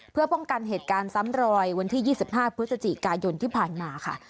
เพื่อป้องกันเหตุการณ์ซ้ำรอยวันที่๒๕พฤศจิกายนที่ผ่านมาค่ะ